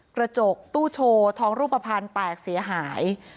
กระจกตู้โชว์ทองรูปภัณฑ์แตกเสียหาย